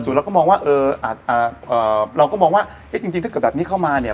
เอ่อสูตรเราก็มองว่าเอ่อเอ่อเอ่อเราก็มองว่าเอ๊ะจริงจริงถ้ากับแบบนี้เข้ามาเนี้ย